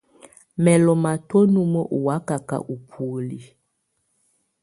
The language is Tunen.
Mɛ̀ lɔ̀ matɔ̀á numǝ́ ɔ̀ wakaka ù bùóli.